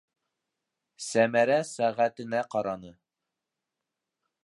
- Сәмәрә сәғәтенә ҡараны.